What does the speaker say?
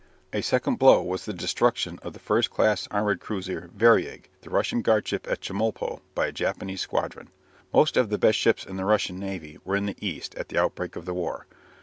A second blow was the destruction of the first class armoured cruiser "Variag," the Russian guardship at Chemulpo, by a Japanese squadron. Most of the best ships in the Russian navy were in the East at the outbreak of the war.